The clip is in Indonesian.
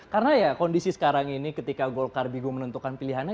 karena ya kondisi sekarang ini ketika golkar bingung menentukan pilihannya